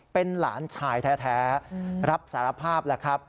เป็นหลานชายแท้รับสารภาพแล้วครับ